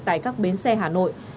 tại các bến xe hà nội